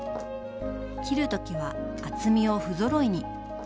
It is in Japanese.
切る時は厚みをふぞろいに。